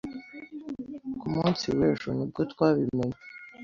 Ku munsi w'ejo ni bwo twabimenye.